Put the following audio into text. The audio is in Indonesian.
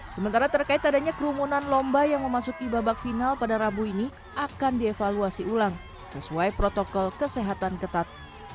sementara terkait adanya kerumunan lomba yang memasuki babak final pada rabu ini akan dievaluasi ulang sesuai protokol kesehatan ketat